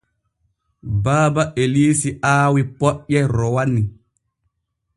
Baaba Eliisi aawi poƴƴe rowani.